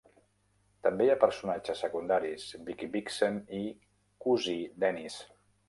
També hi ha personatges secundaris "Vickie Vixen" i "Cosí Dennis".